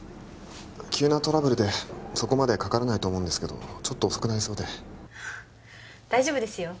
急なトラブルでそこまでかからないと思うんですけどちょっと遅くなりそうで大丈夫ですよ